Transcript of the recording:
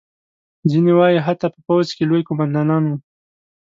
ځینې وایي حتی په پوځ کې لوی قوماندان وو.